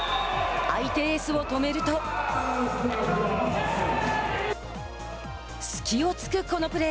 相手エースを止めると隙をつくこのプレー。